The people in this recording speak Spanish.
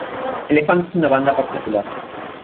Elefante es una banda particular.